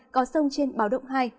có sông trên báo động hai